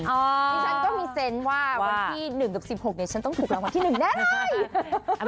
ดิฉันก็มีเซนต์ว่าวันที่๑กับ๑๖เนี่ยฉันต้องถูกรางวัลที่๑แน่